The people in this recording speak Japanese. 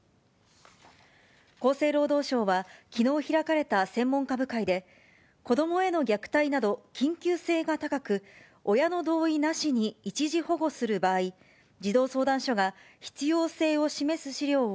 厚生労働省は、きのう開かれた専門家部会で、子どもへの虐待など、緊急性が高く、親の同意なしに一時保護する場合、児童相談所が必要性を示す資料を